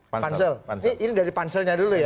pansel ini dari panselnya dulu ya